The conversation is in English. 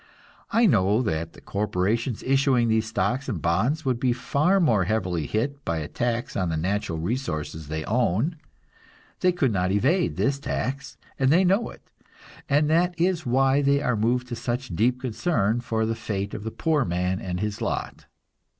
I know that the corporations issuing these stocks and bonds would be far more heavily hit by a tax on the natural resources they own; they could not evade this tax, and they know it, and that is why they are moved to such deep concern for the fate of the poor man and his lot.